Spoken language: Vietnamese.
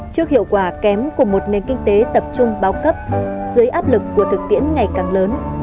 trước hiệu quả kém của một nền kinh tế tập trung bao cấp dưới áp lực của thực tiễn ngày càng lớn